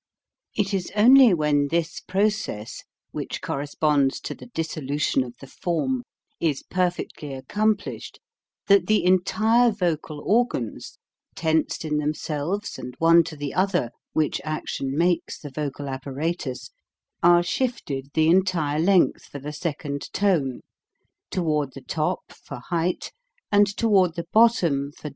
It is only when this process (which corresponds to the dissolution of the form) is perfectly accom plished that the entire vocal organs (tensed in themselves and one to the other, which action makes the vocal apparatus) are shifted the entire length for the second tone, toward the top for height and toward the bottom for PRONUNCIATION.